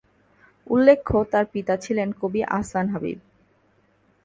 উল্লেখ্য, তাঁর পিতা ছিলেন কবি আহসান হাবীব।